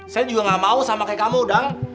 saya juga gak mau sama kayak kamu dong